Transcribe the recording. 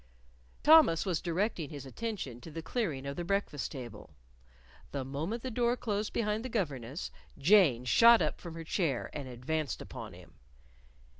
Thomas was directing his attention to the clearing of the breakfast table. The moment the door closed behind the governess, Jane shot up from her chair and advanced upon him.